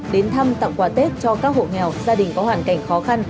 đến thăm tặng quà tết cho các hộ nghèo gia đình có hoàn cảnh khó khăn